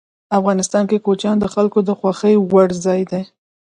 افغانستان کې کوچیان د خلکو د خوښې وړ ځای دی.